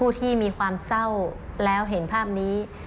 ที่มีความเศร้าแล้วเห็นภาพนี้